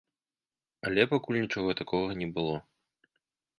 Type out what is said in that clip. Але пакуль нічога такога не было.